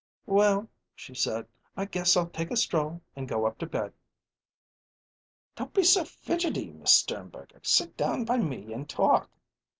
"Well," she said, "I guess I'll take a stroll and go up to bed." "Don't be so fidgety, Miss Sternberger; sit down by me and talk."